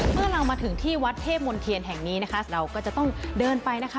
เมื่อเรามาถึงที่วัดเทพมนเทียนแห่งนี้นะคะเราก็จะต้องเดินไปนะคะ